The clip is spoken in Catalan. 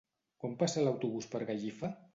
Quan passa l'autobús per Gallifa?